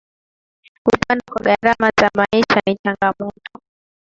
kupanda kwa gharama za maisha ni changamoto